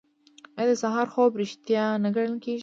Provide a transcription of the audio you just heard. آیا د سهار خوب ریښتیا نه ګڼل کیږي؟